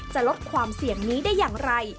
จะลดความเสี่ยงนี้ได้อย่างไร